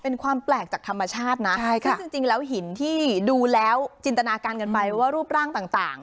เป็นความแปลกจากธรรมชาตินะซึ่งจริงแล้วหินที่ดูแล้วจินตนาการกันไปว่ารูปร่างต่าง